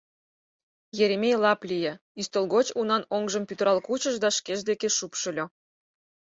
— Еремей лап лие, ӱстел гоч унан оҥжым пӱтырал кучыш да шкеж деке шупшыльо.